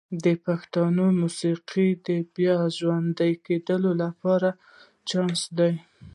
دا د پښتو موسیقۍ د بیا ژوندي کېدو لوی چانس دی.